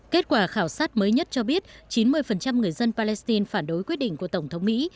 kết quả khảo sát mới nhất cho biết chín mươi người dân palestine phản đối quyết định của tổng thống mỹ